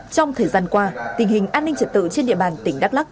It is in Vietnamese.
trong thời gian qua tình hình an ninh trật tự trên địa bàn tỉnh đắk lắc